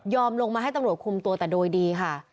ลงมาให้ตำรวจคุมตัวแต่โดยดีค่ะ